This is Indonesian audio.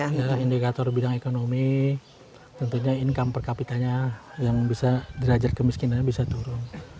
ya indikator bidang ekonomi tentunya income per kapitanya yang bisa derajat kemiskinannya bisa turun